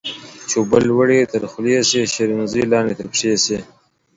چي اوبه لوړي تر خولې سي ، شيرين زوى لاندي تر پښي سي